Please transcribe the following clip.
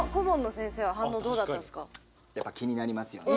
ちなみにやっぱ気になりますよね？